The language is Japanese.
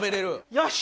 よし！